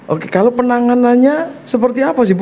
oke kalau penanganannya seperti apa sih bu